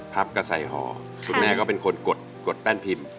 กับใส่ห่อคุณแม่ก็เป็นคนกดแป้นพิมพ์